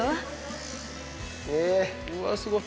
うわ、すごい。